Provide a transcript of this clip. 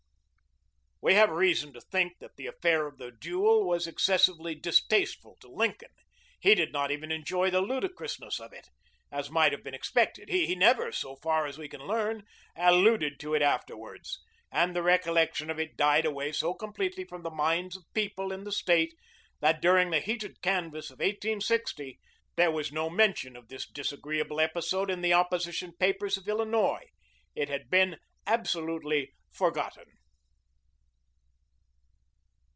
We have reason to think that the affair of the duel was excessively distasteful to Lincoln. He did not even enjoy the ludicrousness of it, as might have been expected. He never so far as we can learn alluded to it afterwards, and the recollection of it died away so completely from the minds of people in the State, that during the heated canvass of 1860 there was no mention of this disagreeable episode in the opposition papers of Illinois. It had been absolutely forgotten.